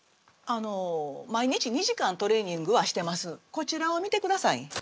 こちらを見てください。